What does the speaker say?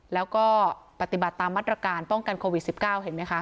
แล้วก็ปฏิบัติตามมาตรการป้องกันโควิด๑๙เห็นไหมคะ